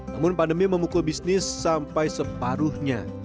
namun pandemi memukul bisnis sampai separuhnya